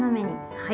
はい。